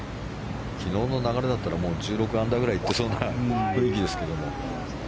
昨日の流れだったら１６アンダーぐらいいってそうな雰囲気ですけども。